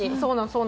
そう。